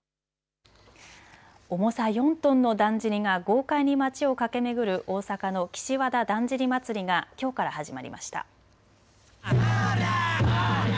重さ４トンのだんじりが豪快に街を駆け巡る大阪の岸和田だんじり祭がきょうから始まりました。